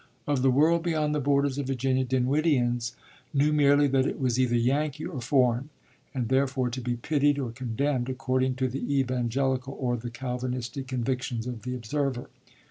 Of the world beyond the borders of Virginia, Dinwiddians knew merely that it was either Yankee or foreign, and therefore to be pitied or condemned according to the Evangelical or the Calvinistic convictions of the observer.